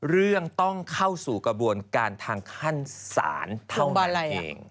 เรื่องต้องเข้าสู่กระบวนการทางขั้นศาลเท่านั้นเอง